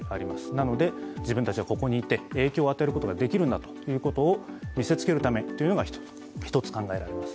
なので自分たちはここにいて影響を与えることができるんだと見せつけるためというのが１つ考えられます。